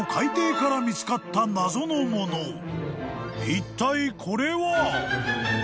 ［いったいこれは？］